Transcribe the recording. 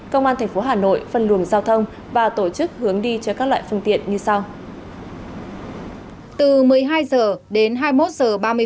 công an thành phố hà nội phân luồng giao thông và tổ chức hướng đi cho các loại phương tiện như sau